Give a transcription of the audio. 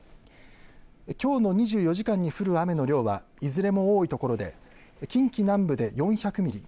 きょうの２４時間に降る雨の量はいずれも多いところで近畿南部で４００ミリ